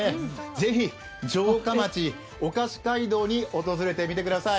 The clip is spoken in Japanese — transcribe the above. ぜひ城下町お菓子街道に訪れてみてください。